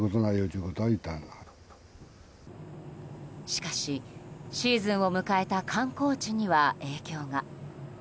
しかし、シーズンを迎えた観光地には影響が。